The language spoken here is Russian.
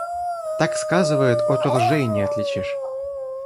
Так сказывает, ото ржей не отличишь.